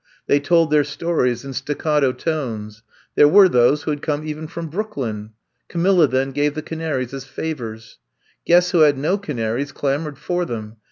They told their stories in staccato tones. There were those who had come even from Brooklyn. Camilla then gave the canaries as favors. Guests who had no canaries clamored for them.